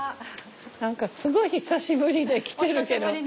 何かすごい久しぶりで来てるけど。